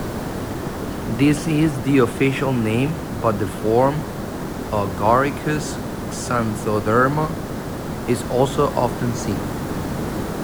This is the official name, but the form "Agaricus xanthoderma" is also often seen.